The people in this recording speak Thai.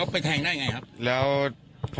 ไปขู่แล้วไปแทงได้ยังไงครับ